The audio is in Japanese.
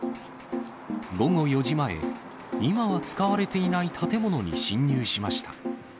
午後４時前、今は使われていない建物に侵入しました。